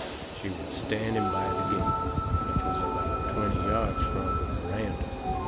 She was standing by the gate, which was about twenty yards from the veranda.